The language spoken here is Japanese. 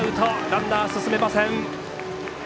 ランナー進めません。